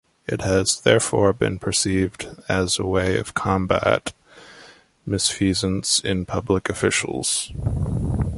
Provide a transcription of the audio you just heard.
It has therefore been perceived as a way to combat misfeasance in public officials.